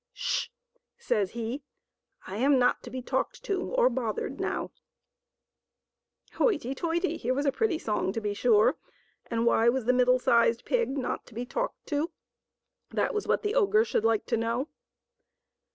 '' Sh h h h h h !" says he, " I am not to be talked to or bothered now !" Hoity toity ! Here was a pretty song, to be sure ! And why was the middle sized pig not to be talked to? That was what the ogre should like to know.